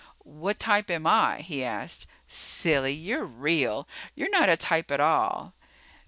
"What type am I?" he asked. "Silly, you're real. You're not a type at all."